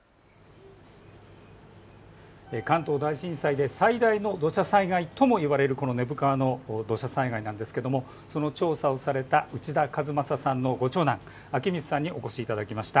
関東大震災で最大の土砂災害とも言われる根府川の土砂災害なんですがその調査をされた内田一正さんのご長男、昭光さんにお越しいただきました。